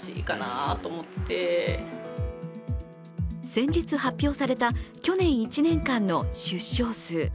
先日発表された去年１年間の出生数。